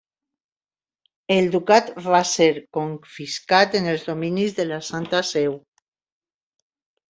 El ducat va ser confiscat en els dominis de la Santa Seu.